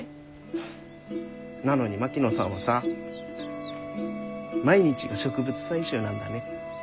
フッなのに槙野さんはさ毎日が植物採集なんだね。